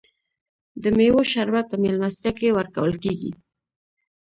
د میوو شربت په میلمستیا کې ورکول کیږي.